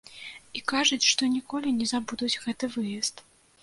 І кажуць, што ніколі не забудуць гэты выезд.